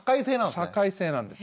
社会性なんです。